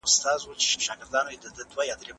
نوي سبکونه د وخت د غوښتنو زیږنده وي.